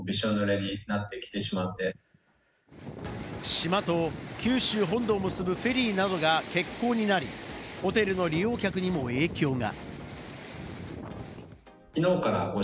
島と九州本土を結ぶフェリーなどが欠航になり、ホテルの利用客にも影響が。